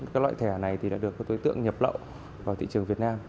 các loại thẻ này thì đã được các đối tượng nhập lậu vào thị trường việt nam